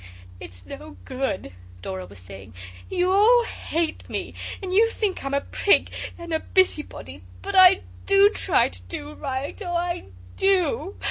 'It's no good,' Dora was saying, 'you all hate me, and you think I'm a prig and a busybody, but I do try to do right oh, I do!